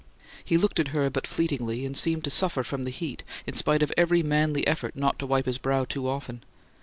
He looked at her but fleetingly, and seemed to suffer from the heat, in spite of every manly effort not to wipe his brow too often.